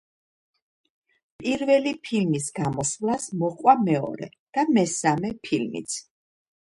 პირველი ფილმის გამოსვლას მოჰყვა მეორე და მესამე ფილმიც.